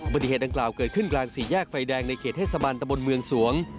ปฏิเหตุดังกล่าวเกิดขึ้นกลางสี่แยกไฟแดงในเขตเทศบันตะบนเมืองสวง